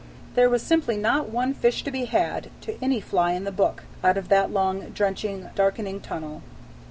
There was simply not one fish to be had, to any fly in the book, out of that long, drenching, darkening tunnel.